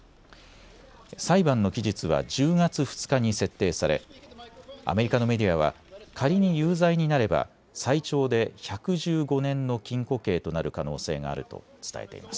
裁判の期日は１０月２日に設定され、アメリカのメディアは仮に有罪になれば最長で１１５年の禁錮刑となる可能性があると伝えています。